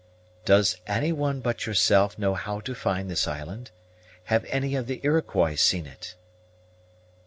"Does any one but yourself know how to find this island? Have any of the Iroquois seen it?"